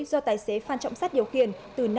do tài xế phan trọng sát điều khiển